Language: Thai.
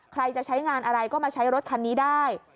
ใครจะใช้งานอะไรก็มาใช้รถคันนี้ได้